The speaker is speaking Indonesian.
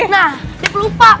nah dia lupa